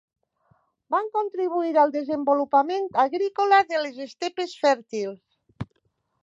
Van contribuir al desenvolupament agrícola de les estepes fèrtils.